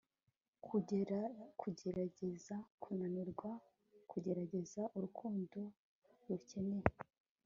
Kugerageza kunanirwa kugerageza urukundo rukennye